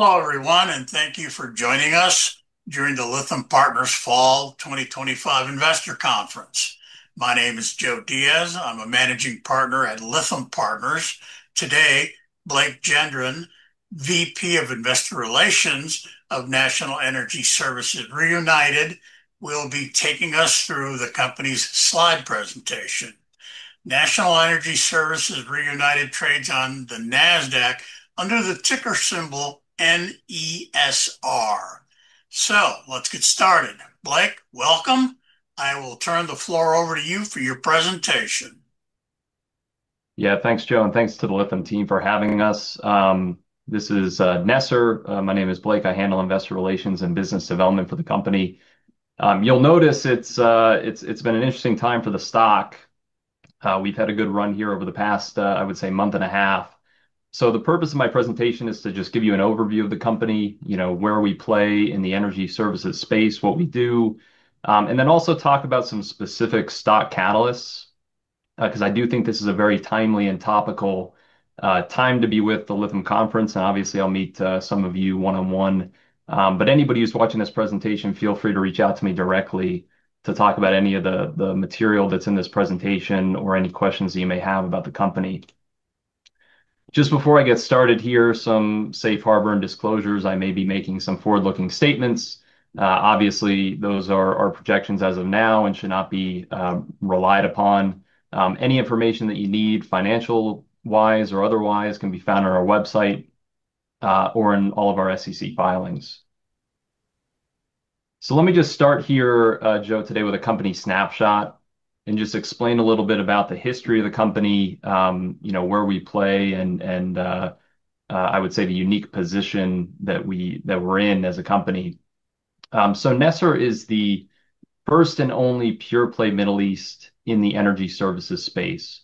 Hello, everyone, and thank you for joining us during the Lytham Partners Fall 2025 Investor Conference. My name is Joe Diaz. I'm a Managing Partner at Lytham Partners. Today, Blake Gendron, VP of Investor Relations of National Energy Services Reunited, will be taking us through the company's slide presentation. National Energy Services Reunited trades on the NASDAQ under the ticker symbol NESR. Let's get started. Blake, welcome. I will turn the floor over to you for your presentation. Yeah, thanks, Joe, and thanks to the Lytham Partners team for having us. This is NESR. My name is Blake. I handle Investor Relations and Business Development for the company. You'll notice it's been an interesting time for the stock. We've had a good run here over the past, I would say, month and a half. The purpose of my presentation is to just give you an overview of the company, you know, where we play in the energy services space, what we do, and then also talk about some specific stock catalysts. I do think this is a very timely and topical time to be with the Lytham Conference. Obviously, I'll meet some of you one-on-one, but anybody who's watching this presentation, feel free to reach out to me directly to talk about any of the material that's in this presentation or any questions that you may have about the company. Just before I get started here, some safe harbor and disclosures. I may be making some forward-looking statements. Obviously, those are our projections as of now and should not be relied upon. Any information that you need financial-wise or otherwise can be found on our website or in all of our SEC filings. Let me just start here, Joe, today with a company snapshot and just explain a little bit about the history of the company, you know, where we play and, I would say, the unique position that we're in as a company. NESR is the first and only pure play Middle East in the energy services space.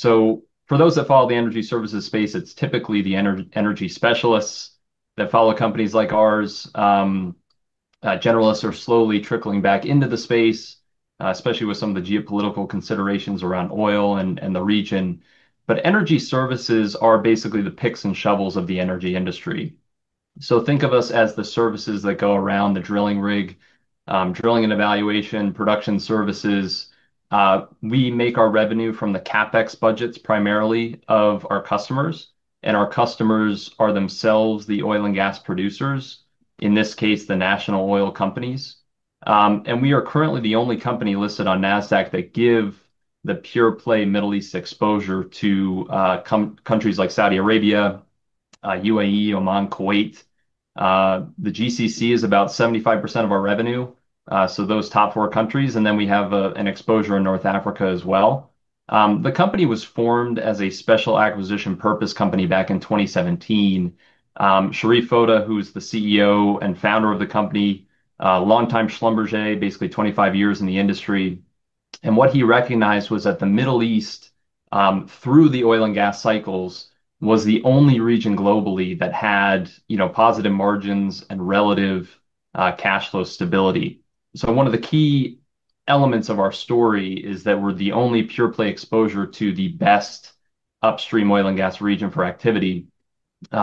For those that follow the energy services space, it's typically the energy specialists that follow companies like ours. Generalists are slowly trickling back into the space, especially with some of the geopolitical considerations around oil and the region. Energy services are basically the picks and shovels of the energy industry. Think of us as the services that go around the drilling rig, drilling and evaluation, production services. We make our revenue from the CapEx budgets primarily of our customers, and our customers are themselves the oil and gas producers, in this case, the national oil companies. We are currently the only company listed on NASDAQ that gives the pure play Middle East exposure to countries like Saudi Arabia, U.A.E., Oman, Kuwait. The GCC is about 75% of our revenue. Those top four countries, and then we have an exposure in North Africa as well. The company was formed as a Special Acquisition Purpose Company back in 2017. Sherif Foda, who's the CEO and founder of the company, longtime Schlumberger, basically 25 years in the industry. What he recognized was that the Middle East, through the oil and gas cycles, was the only region globally that had positive margins and relative cash flow stability. One of the key elements of our story is that we're the only pure play exposure to the best upstream oil and gas region for activity.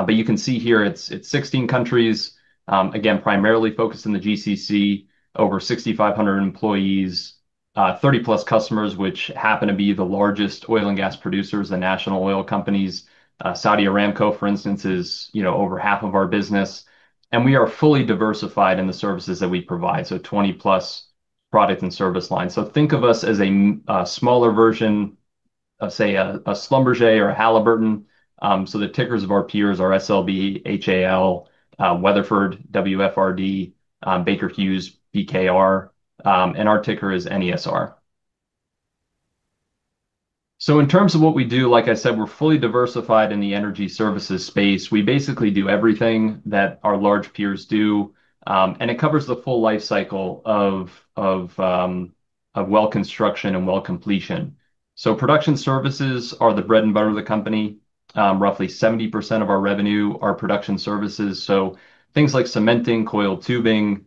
You can see here it's 16 countries, again, primarily focused in the GCC, over 6,500 employees, 30+ customers, which happen to be the largest oil and gas producers, the national oil companies. Saudi Aramco, for instance, is over half of our business. We are fully diversified in the services that we provide, 20+ product and service lines. Think of us as a smaller version of, say, a Schlumberger or a Halliburton. The tickers of our peers are SLB, HAL, Weatherford, WFRD, Baker Hughes, BKR, and our ticker is NESR. In terms of what we do, like I said, we're fully diversified in the energy services space. We basically do everything that our large peers do, and it covers the full lifecycle of well construction and well completion. Production services are the bread and butter of the company. Roughly 70% of our revenue are production services. Things like cementing, coiled tubing,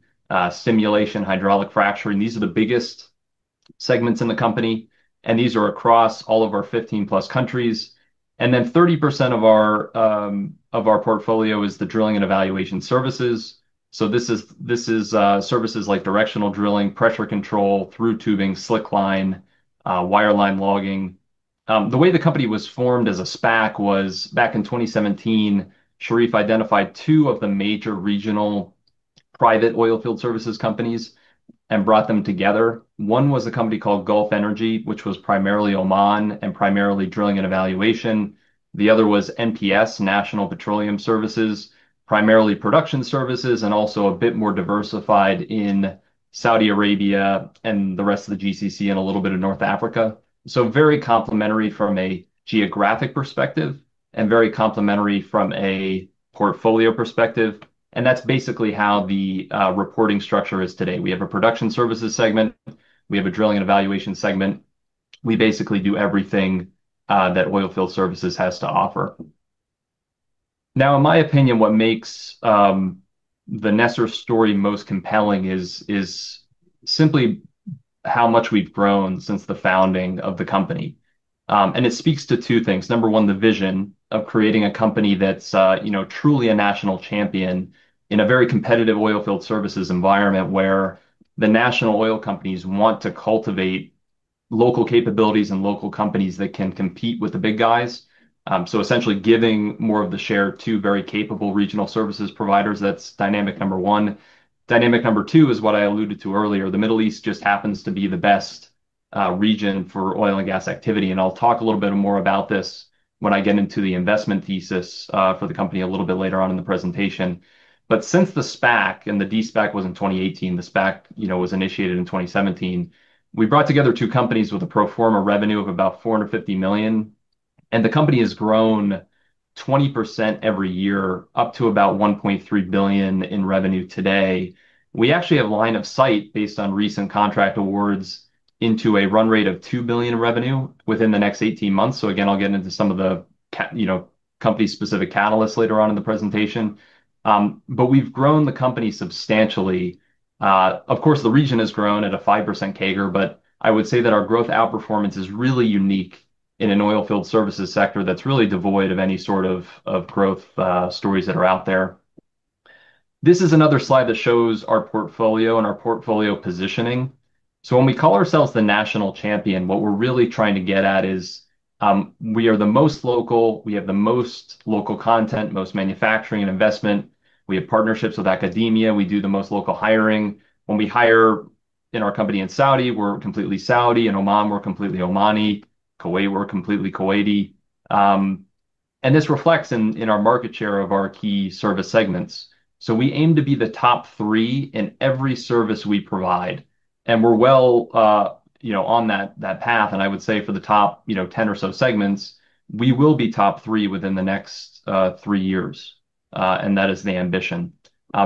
stimulation, hydraulic fracturing, these are the biggest segments in the company. These are across all of our 15+ countries. 30% of our portfolio is the drilling and evaluation services. This is services like Directional Drilling, Pressure Control, through Tubing, Slickline, Wireline Logging. The way the company was formed as a SPAC was back in 2017, Sherif identified two of the major regional private oilfield services companies and brought them together. One was a company called Gulf Energy, which was primarily Oman and primarily drilling and evaluation. The other was NPS- National Petroleum Services, primarily production services and also a bit more diversified in Saudi Arabia and the rest of the GCC and a little bit of North Africa. Very complementary from a geographic perspective and very complementary from a portfolio perspective. That's basically how the reporting structure is today. We have a production services segment. We have a drilling and evaluation segment. We basically do everything that oilfield services has to offer. Now, in my opinion, what makes the NESR story most compelling is simply how much we've grown since the founding of the company. It speaks to two things. Number one, the vision of creating a company that's, you know, truly a national champion in a very competitive oilfield services environment where the national oil companies want to cultivate local capabilities and local companies that can compete with the big guys, essentially giving more of the share to very capable regional services providers. That's dynamic number one. Dynamic number two is what I alluded to earlier. The Middle East just happens to be the best region for oil and gas activity. I'll talk a little bit more about this when I get into the investment thesis for the company a little bit later on in the presentation. Since the SPAC, and the D-SPAC was in 2018, the SPAC was initiated in 2017, we brought together two companies with a pro forma revenue of about $450 million. The company has grown 20% every year up to about $1.3 billion in revenue today. We actually have line of sight based on recent contract awards into a run rate of $2 billion in revenue within the next 18 months. I'll get into some of the company-specific catalysts later on in the presentation. We've grown the company substantially. Of course, the region has grown at a 5% CAGR, but I would say that our growth outperformance is really unique in an oilfield services sector that's really devoid of any sort of growth stories that are out there. This is another slide that shows our portfolio and our portfolio positioning. When we call ourselves the national champion, what we're really trying to get at is we are the most local, we have the most local content, most manufacturing and investment. We have partnerships with Academia. We do the most local hiring. When we hire in our company in Saudi, we're completely Saudi. In Oman, we're completely Omani. Kuwait, we're completely Kuwaiti. This reflects in our market share of our key service segments. We aim to be the top three in every service we provide. We're well on that path. I would say for the top 10 or so segments, we will be top three within the next three years, and that is the ambition.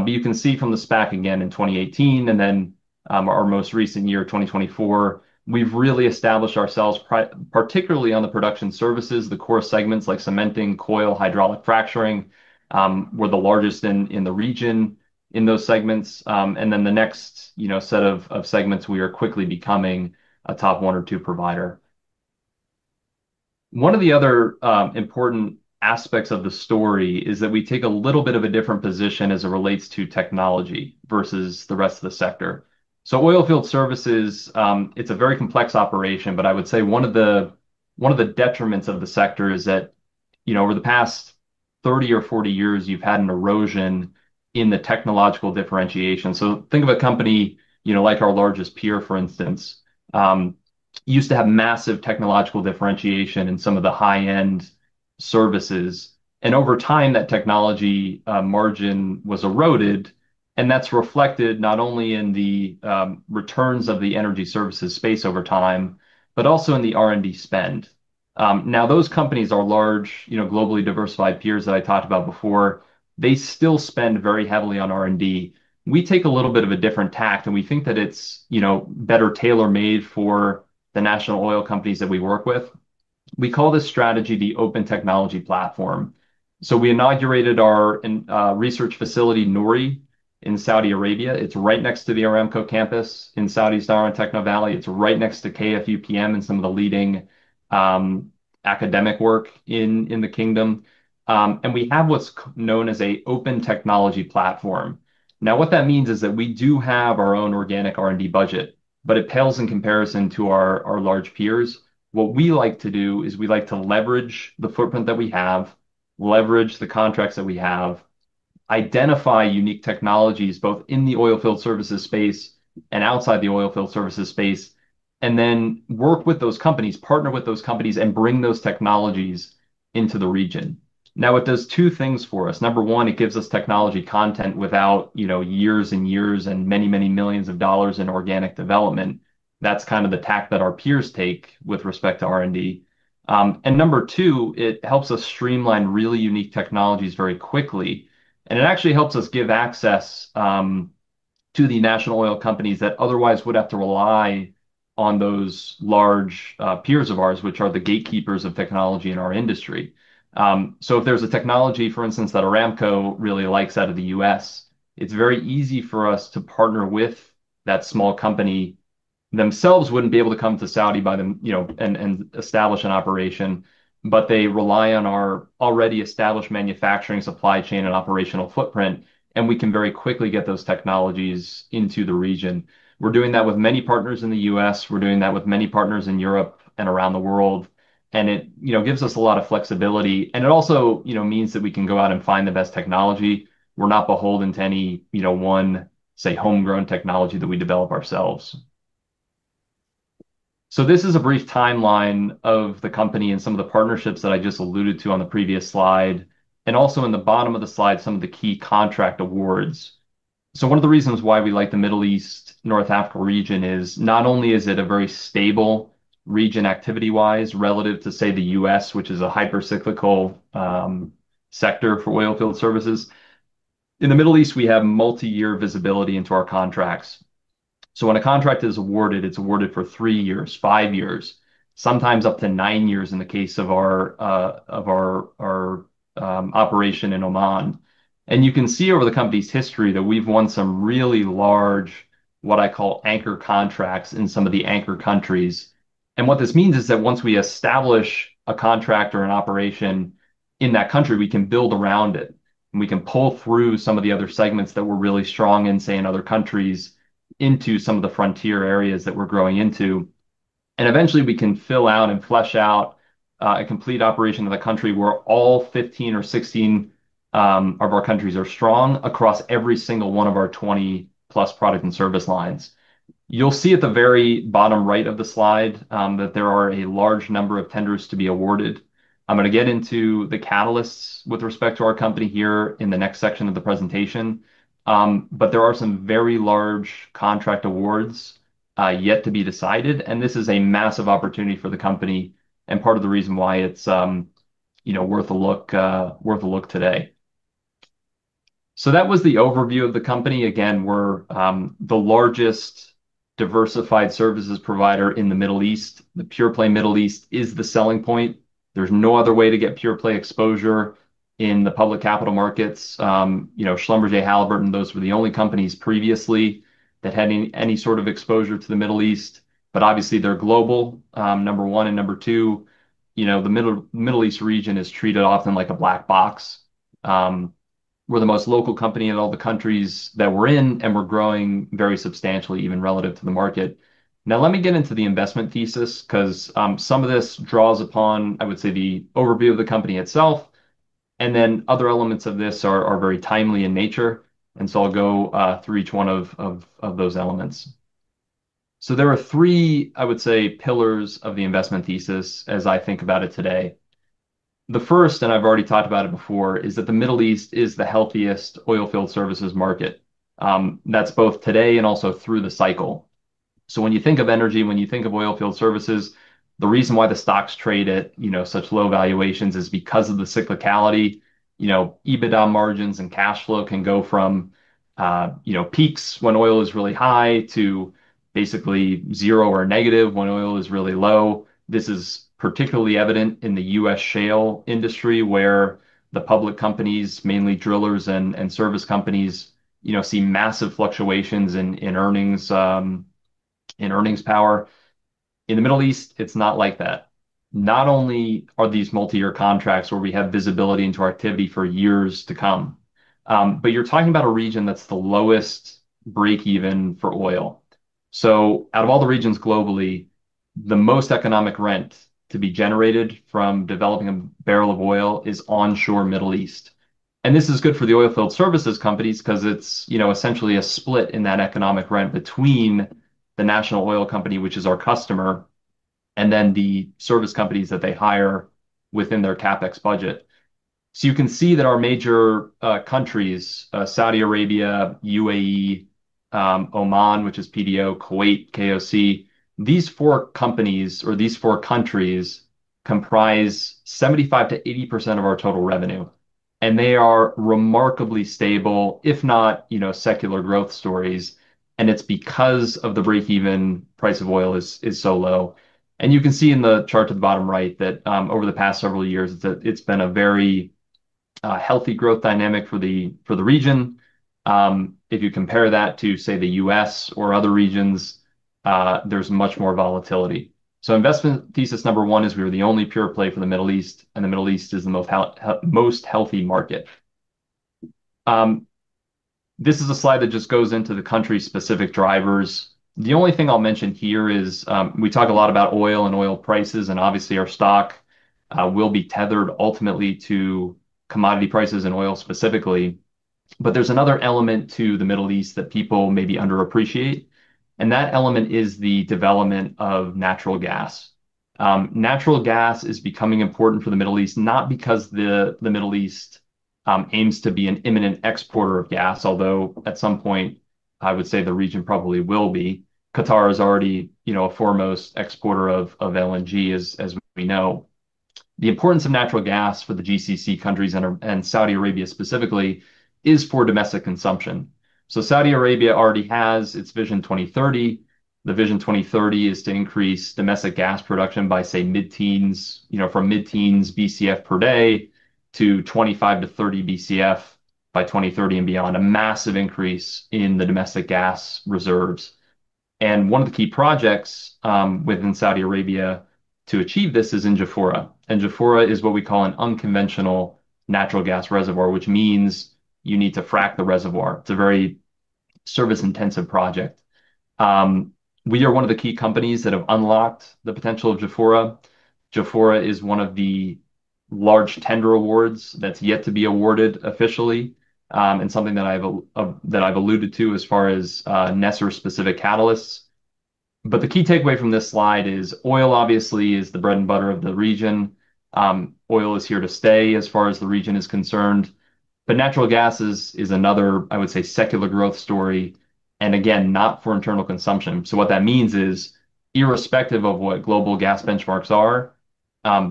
You can see from the SPAC again in 2018 and then, our most recent year, 2024, we've really established ourselves particularly on the production services, the core segments like cementing, coiled tubing, hydraulic fracturing. We're the largest in the region in those segments. In the next set of segments, we are quickly becoming a top one or two provider. One of the other important aspects of the story is that we take a little bit of a different position as it relates to technology versus the rest of the sector. Oilfield services is a very complex operation, but I would say one of the detriments of the sector is that over the past 30 or 40 years, you've had an erosion in the technological differentiation. Think of a company like our largest peer, for instance, which used to have massive technological differentiation in some of the high-end services. Over time, that technology margin was eroded. That is reflected not only in the returns of the energy services space over time, but also in the R&D spend. Now those companies are large, globally diversified peers that I talked about before. They still spend very heavily on R&D. We take a little bit of a different tact, and we think that it's better tailor-made for the national oil companies that we work with. We call this strategy the open technology platform. We inaugurated our research facility, NORI, in Saudi Arabia. It's right next to the Aramco campus in Saudi Sahra Techno Valley. It's right next to KFUPM and some of the leading academic work in the kingdom. We have what's known as an open technology platform. What that means is that we do have our own organic R&D budget, but it pales in comparison to our large peers. What we like to do is leverage the footprint that we have, leverage the contracts that we have, identify unique technologies both in the oilfield services space and outside the oilfield services space, and then work with those companies, partner with those companies, and bring those technologies into the region. It does two things for us. Number one, it gives us technology content without years and years and many, many millions of dollars in organic development. That's kind of the tact that our peers take with respect to R&D. Number two, it helps us streamline really unique technologies very quickly. It actually helps us give access to the national oil companies that otherwise would have to rely on those large peers of ours, which are the gatekeepers of technology in our industry. If there's a technology, for instance, that Saudi Aramco really likes out of the U.S., it's very easy for us to partner with that small company. They themselves wouldn't be able to come to Saudi Arabia by themselves and establish an operation, but they rely on our already established manufacturing supply chain and operational footprint, and we can very quickly get those technologies into the region. We're doing that with many partners in the U.S. We're doing that with many partners in Europe and around the world. It gives us a lot of flexibility. It also means that we can go out and find the best technology. We're not beholden to any one, say, homegrown technology that we develop ourselves. This is a brief timeline of the company and some of the partnerships that I just alluded to on the previous slide, and also in the bottom of the slide, some of the key contract awards. One of the reasons why we like the Middle East, North Africa region is not only is it a very stable region activity-wise relative to, say, the U.S., which is a hypercyclical sector for oilfield services. In the Middle East, we have multi-year visibility into our contracts. When a contract is awarded, it's awarded for three years, five years, sometimes up to nine years in the case of our operation in Oman. You can see over the company's history that we've won some really large, what I call anchor contracts in some of the anchor countries. What this means is that once we establish a contract or an operation in that country, we can build around it. We can pull through some of the other segments that we're really strong in, say, in other countries, into some of the frontier areas that we're growing into. Eventually, we can fill out and flesh out a complete operation in a country where all 15 or 16 of our countries are strong across every single one of our 20+ product and service lines. You'll see at the very bottom right of the slide that there are a large number of tenders to be awarded. I'm going to get into the catalysts with respect to our company here in the next section of the presentation. There are some very large contract awards yet to be decided. This is a massive opportunity for the company and part of the reason why it's worth a look, worth a look today. That was the overview of the company. Again, we're the largest diversified services provider in the Middle East. The pure play Middle East is the selling point. There's no other way to get pure play exposure in the public capital markets. Schlumberger, Halliburton, those were the only companies previously that had any sort of exposure to the Middle East. Obviously, they're global, number one. Number two, the Middle East region is treated often like a black box. We're the most local company in all the countries that we're in, and we're growing very substantially, even relative to the market. Now, let me get into the investment thesis because some of this draws upon the overview of the company itself. Other elements of this are very timely in nature. I'll go through each one of those elements. There are three pillars of the investment thesis as I think about it today. The first, and I've already talked about it before, is that the Middle East is the healthiest Oilfield Services market. That's both today and also through the cycle. When you think of energy, when you think of Oilfield Services, the reason why the stocks trade at such low valuations is because of the cyclicality. EBITDA margins and cash flow can go from peaks when oil is really high to basically zero or negative when oil is really low. This is particularly evident in the U.S. Shale industry where the public companies, mainly drillers and service companies, see massive fluctuations in earnings, in earnings power. In the Middle East, it's not like that. Not only are these multi-year contracts where we have visibility into our activity for years to come, but you're talking about a region that's the lowest break even for oil. Out of all the regions globally, the most economic rent to be generated from developing a barrel of oil is onshore Middle East. This is good for the oilfield services companies because it's essentially a split in that economic rent between the national oil company, which is our customer, and then the service companies that they hire within their CapEx budget. You can see that our major countries, Saudi Arabia, U.A.E., Oman, which is PDO, Kuwait, KOC, these four countries comprise 75%-80% of our total revenue. They are remarkably stable, if not, you know, secular growth stories. It's because the break-even price of oil is so low. You can see in the chart to the bottom right that, over the past several years, it's been a very healthy growth dynamic for the region. If you compare that to, say, the U.S. or other regions, there's much more volatility. Investment thesis number one is we were the only pure play for the Middle East, and the Middle East is the most healthy market. This is a slide that just goes into the country-specific drivers. The only thing I'll mention here is, we talk a lot about oil and oil prices, and obviously our stock will be tethered ultimately to commodity prices and oil specifically. There's another element to the Middle East that people maybe underappreciate. That element is the development of natural gas. Natural gas is becoming important for the Middle East, not because the Middle East aims to be an imminent exporter of gas, although at some point, I would say the region probably will be. Qatar is already, you know, a foremost exporter of LNG, as we know. The importance of natural gas for the GCC countries and Saudi Arabia specifically is for domestic consumption. Saudi Arabia already has its Vision 2030. The Vision 2030 is to increase domestic gas production by, say, mid-teens, you know, from mid-teens Bcf per day to 25 Bcf-30 Bcf by 2030 and beyond, a massive increase in the domestic gas reserves. One of the key projects within Saudi Arabia to achieve this is in Jafurah. Jafurah is what we call an unconventional natural gas reservoir, which means you need to frack the reservoir. It's a very service-intensive project. We are one of the key companies that have unlocked the potential of Jafurah. Jafurah is one of the large tender awards that's yet to be awarded officially, and something that I've alluded to as far as NESR-specific catalysts. The key takeaway from this slide is oil obviously is the bread and butter of the region. Oil is here to stay as far as the region is concerned. Natural gas is another, I would say, secular growth story. Again, not for internal consumption. What that means is, irrespective of what global gas benchmarks are,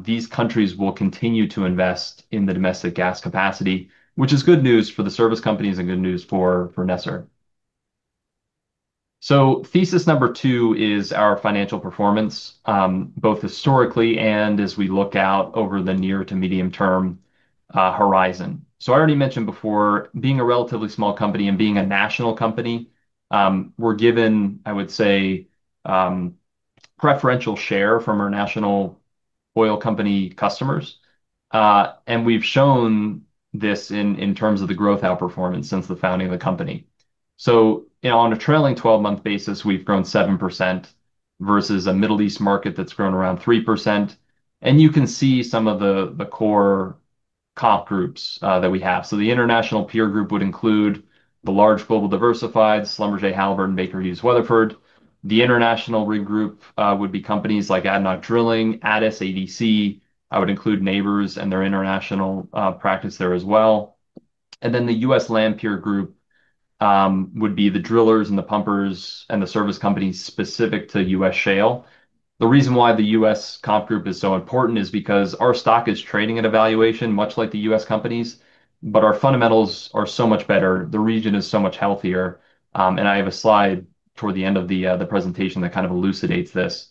these countries will continue to invest in the domestic gas capacity, which is good news for the service companies and good news for NESR. Thesis number two is our financial performance, both historically and as we look out over the near to medium term horizon. I already mentioned before, being a relatively small company and being a national company, we're given, I would say, preferential share from our national oil company customers. We've shown this in terms of the growth outperformance since the founding of the company. On a trailing 12-month basis, we've grown 7% versus a Middle East market that's grown around 3%. You can see some of the core comp groups that we have. The international peer group would include the large global diversified, Schlumberger, Halliburton, Baker Hughes, Weatherford. The international regroup would be companies like Adenau Drilling, Addis ADC. I would include Nabors and their international practice there as well. The U.S. comp group would be the drillers and the pumpers and the service companies specific to U.S. shale. The reason why the U.S. comp group is so important is because our stock is trading at a valuation much like the U.S. companies, but our fundamentals are so much better. The region is so much healthier. I have a slide toward the end of the presentation that kind of elucidates this.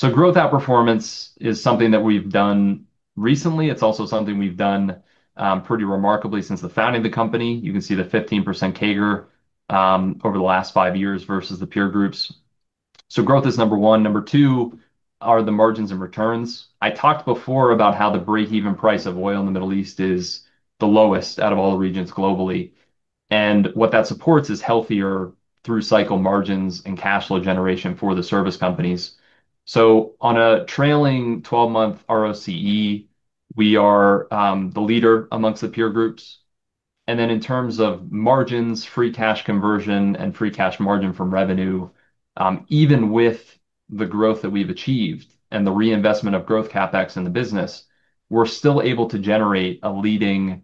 Growth outperformance is something that we've done recently. It's also something we've done pretty remarkably since the founding of the company. You can see the 15% CAGR over the last five years vs the peer groups. Growth is number one. Number two are the margins and returns. I talked before about how the break-even price of oil in the Middle East is the lowest out of all the regions globally. What that supports is healthier through cycle margins and cash flow generation for the service companies. On a trailing 12-month ROCE, we are the leader amongst the peer groups. In terms of margins, free cash conversion, and free cash margin from revenue, even with the growth that we've achieved and the reinvestment of growth CapEx in the business, we're still able to generate a leading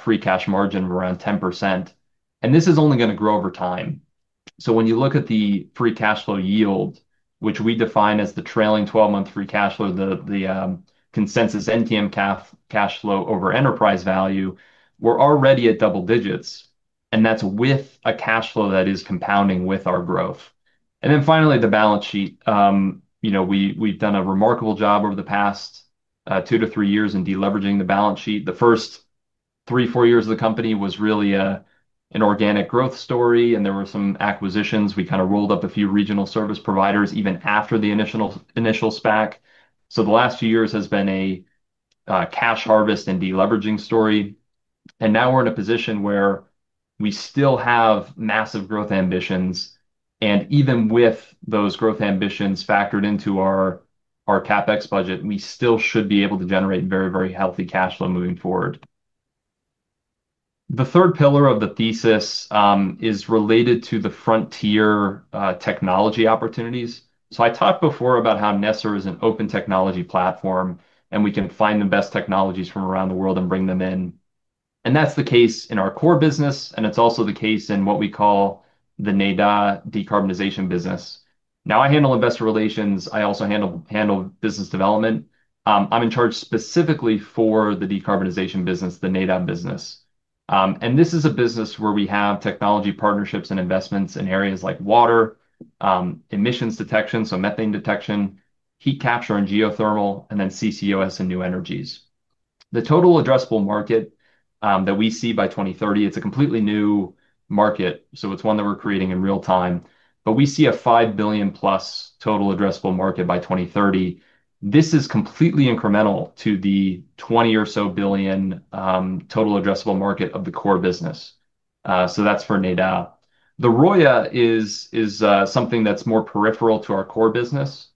free cash margin of around 10%. This is only going to grow over time. When you look at the free cash flow yield, which we define as the trailing 12-month free cash flow, the consensus NTM cash flow over enterprise value, we're already at double digits. That's with a cash flow that is compounding with our growth. Finally, the balance sheet, we've done a remarkable job over the past two-three years in deleveraging the balance sheet. The first three, four years of the company was really an organic growth story, and there were some acquisitions. We kind of rolled up a few regional service providers even after the initial SPAC. The last few years have been a cash harvest and deleveraging story. Now we're in a position where we still have massive growth ambitions. Even with those growth ambitions factored into our CapEx budget, we still should be able to generate very, very healthy cash flow moving forward. The third pillar of the thesis is related to the frontier technology opportunities. I talked before about how NESR is an open technology platform, and we can find the best technologies from around the world and bring them in. That's the case in our core business, and it's also the case in what we call the NEDA decarbonization business. I handle investor relations. I also handle business development. I'm in charge specifically for the decarbonization business, the NEDA business. This is a business where we have technology partnerships and investments in areas like water, emissions detection, so methane detection, heat capture on geothermal, and then CCOS and new energies. The total addressable market that we see by 2030, it's a completely new market. It's one that we're creating in real time. We see a $5 billion plus total addressable market by 2030. This is completely incremental to the $20 billion or so total addressable market of the core business. That's for NEDA. The ROYA is something that's more peripheral to our core business.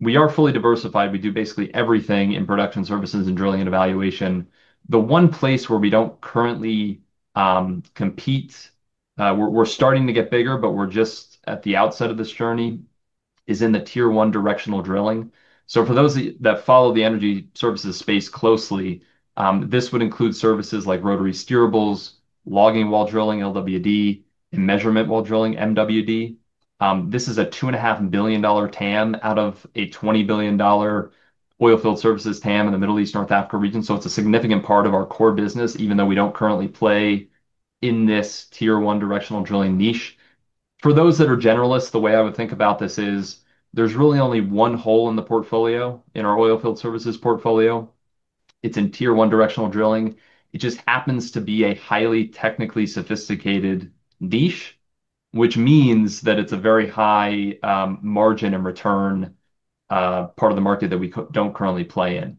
We are fully diversified. We do basically everything in production services and drilling and evaluation. The one place where we don't currently compete, we're starting to get bigger, but we're just at the outset of this journey, is in the tier one directional drilling. For those that follow the energy services space closely, this would include services like rotary steerables, logging while drilling, LWD, and measurement while drilling, MWD. This is a $2.5 billion TAM out of a $20 billion oilfield services TAM in the Middle East, North Africa region. It's a significant part of our core business, even though we don't currently play in this tier one directional drilling niche. For those that are generalists, the way I would think about this is there's really only one hole in the portfolio, in our oilfield services portfolio. It's in tier one directional drilling. It just happens to be a highly technically sophisticated niche, which means that it's a very high margin and return part of the market that we don't currently play in.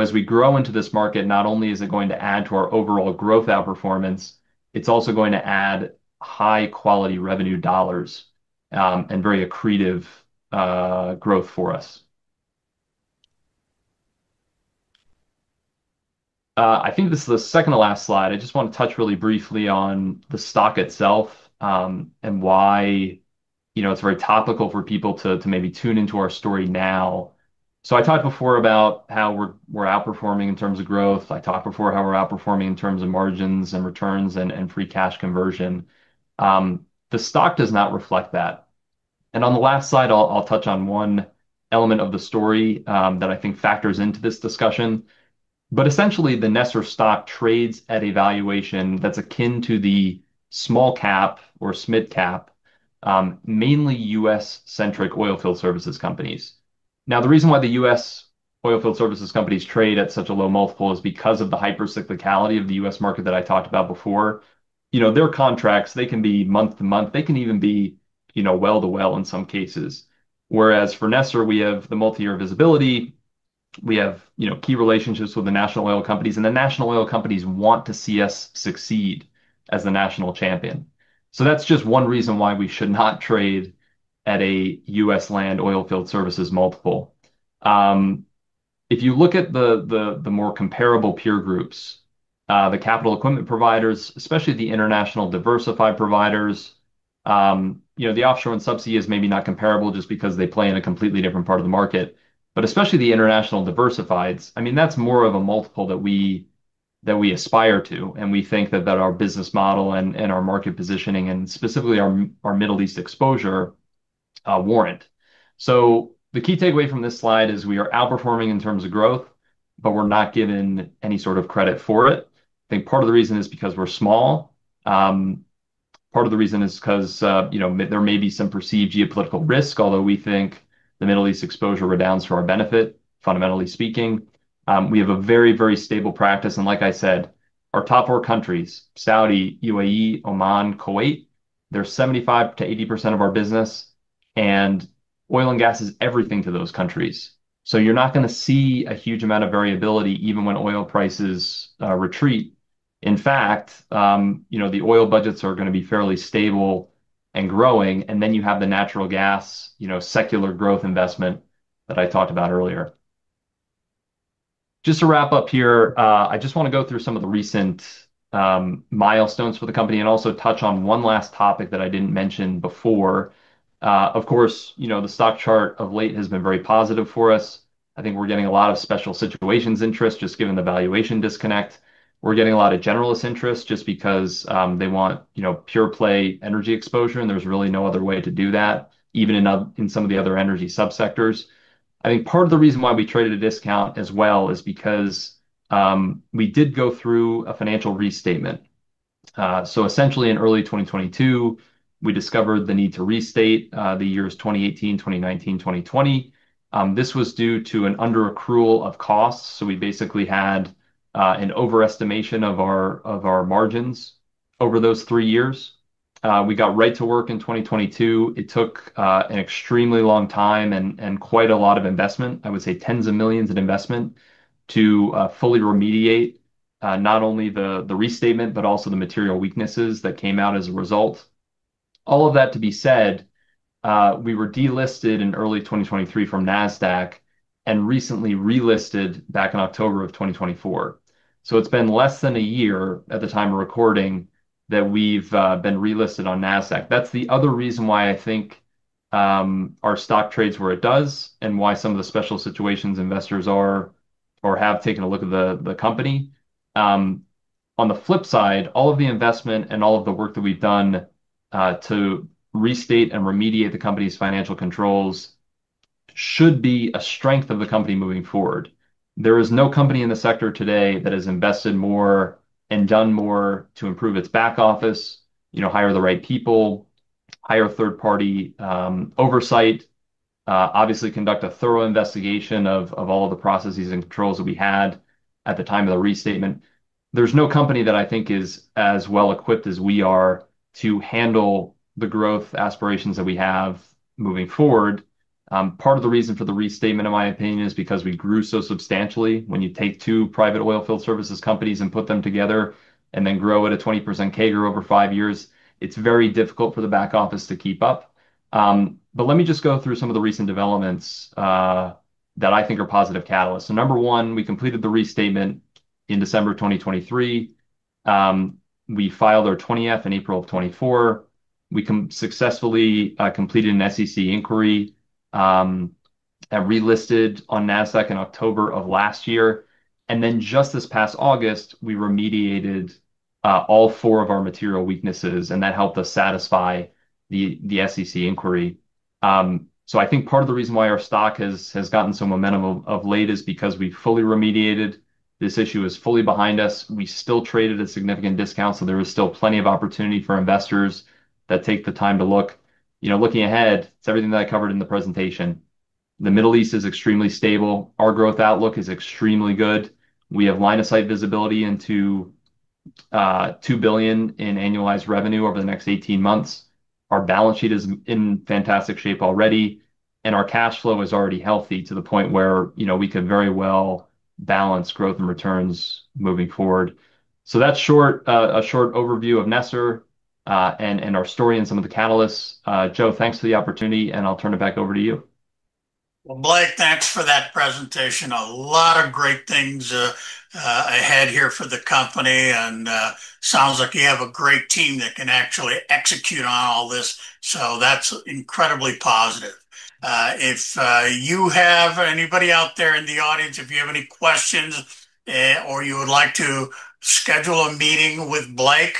As we grow into this market, not only is it going to add to our overall growth outperformance, it's also going to add high-quality revenue dollars and very accretive growth for us. I think this is the second to last slide. I just want to touch really briefly on the stock itself, and why it's very topical for people to maybe tune into our story now. I talked before about how we're outperforming in terms of growth. I talked before how we're outperforming in terms of margins and returns and free cash conversion. The stock does not reflect that. On the last slide, I'll touch on one element of the story that I think factors into this discussion. Essentially, the NESR stock trades at a valuation that's akin to the small cap or smid cap, mainly U.S.-centric oilfield services companies. The reason why the U.S. Oilfield Services companies trade at such a low multiple is because of the hypercyclicality of the U.S. market that I talked about before. Their contracts can be month to month. They can even be well to well in some cases. Whereas for NESR, we have the multi-year visibility. We have key relationships with the national oil companies, and the national oil companies want to see us succeed as the national champion. That's just one reason why we should not trade at a U.S.-land oilfield services multiple. If you look at the more comparable peer groups, the capital equipment providers, especially the international diversified providers, the offshore and subsidy is maybe not comparable just because they play in a completely different part of the market. Especially the international diversifieds, I mean, that's more of a multiple that we aspire to and we think that our business model and our market positioning and specifically our Middle East exposure, warrant. The key takeaway from this slide is we are outperforming in terms of growth, but we're not given any sort of credit for it. I think part of the reason is because we're small. Part of the reason is because, you know, there may be some perceived geopolitical risk, although we think the Middle East exposure rebounds to our benefit, fundamentally speaking. We have a very, very stable practice. Like I said, our top four countries, Saudi Arabia, U.A.E., Oman, Kuwait, they're 75%-80% of our business. Oil and gas is everything to those countries. You're not going to see a huge amount of variability even when oil prices retreat. In fact, the oil budgets are going to be fairly stable and growing. Then you have the natural gas, you know, secular growth investment that I talked about earlier. Just to wrap up here, I just want to go through some of the recent milestones for the company and also touch on one last topic that I didn't mention before. Of course, the stock chart of late has been very positive for us. I think we're getting a lot of special situations interest just given the valuation disconnect. We're getting a lot of generalist interest just because they want, you know, pure play energy exposure, and there's really no other way to do that, even in some of the other energy subsectors. I think part of the reason why we traded at a discount as well is because we did go through a financial restatement. Essentially in early 2022, we discovered the need to restate the years 2018, 2019, 2020. This was due to an under accrual of costs. We basically had an overestimation of our margins over those three years. We got right to work in 2022. It took an extremely long time and quite a lot of investment. I would say tens of millions in investment to fully remediate not only the restatement but also the material weaknesses that came out as a result. All of that to be said, we were delisted in early 2023 from NASDAQ and recently relisted back in October of 2024. It's been less than a year at the time of recording that we've been relisted on NASDAQ. That's the other reason why I think our stock trades where it does and why some of the special situations investors are or have taken a look at the company. On the flip side, all of the investment and all of the work that we've done to restate and remediate the company's financial controls should be a strength of the company moving forward. There is no company in the sector today that has invested more and done more to improve its back office, you know, hire the right people, hire third-party oversight, obviously conduct a thorough investigation of all of the processes and controls that we had at the time of the restatement. There's no company that I think is as well equipped as we are to handle the growth aspirations that we have moving forward. Part of the reason for the restatement, in my opinion, is because we grew so substantially. When you take two private oilfield services companies and put them together and then grow at a 20% CAGR over five years, it's very difficult for the back office to keep up. Let me just go through some of the recent developments that I think are positive catalysts. Number one, we completed the restatement in December 2023. We filed our 20-F in April of 2024. We successfully completed an SEC inquiry and relisted on NASDAQ in October of last year. Just this past August, we remediated all four of our material weaknesses, and that helped us satisfy the SEC inquiry. I think part of the reason why our stock has gotten some momentum of late is because we've fully remediated. This issue is fully behind us. We still trade at a significant discount, so there is still plenty of opportunity for investors that take the time to look. Looking ahead, it's everything that I covered in the presentation. The Middle East is extremely stable. Our growth outlook is extremely good. We have line of sight visibility into $2 billion in annualized revenue over the next 18 months. Our balance sheet is in fantastic shape already, and our cash flow is already healthy to the point where, you know, we could very well balance growth and returns moving forward. That's a short overview of NESR and our story and some of the catalysts. Joe, thanks for the opportunity, and I'll turn it back over to you. Blake, thanks for that presentation. A lot of great things ahead here for the company, and sounds like you have a great team that can actually execute on all this. That's incredibly positive. If you have anybody out there in the audience, if you have any questions or you would like to schedule a meeting with Blake,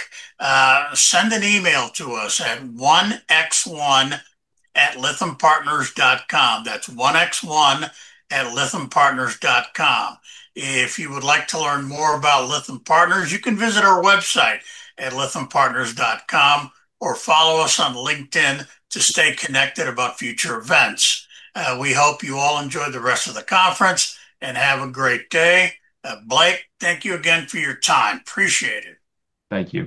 send an email to us at 1x1@lythampartners.com. That's 1x1@lythampartners.com. If you would like to learn more about Lytham Partners, you can visit our website at lythampartners.com or follow us on LinkedIn to stay connected about future events. We hope you all enjoy the rest of the conference and have a great day. Blake, thank you again for your time. Appreciate it. Thank you.